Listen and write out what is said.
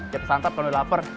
kita santap kalau lapar